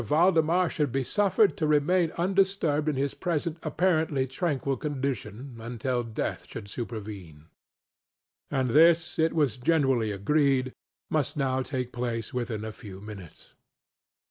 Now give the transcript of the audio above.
Valdemar should be suffered to remain undisturbed in his present apparently tranquil condition, until death should superveneŌĆöand this, it was generally agreed, must now take place within a few minutes.